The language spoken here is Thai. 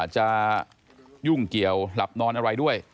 จะยุ่งเกี่ยวหลับนอนอะไรด้วย